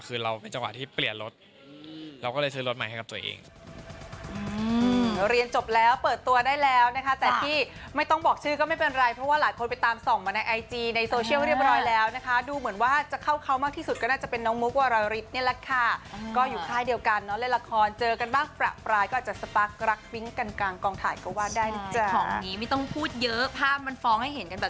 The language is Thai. คือเราเป็นจังหวะที่เปลี่ยนรถเราก็เลยใช้รถใหม่ให้กับตัวเอง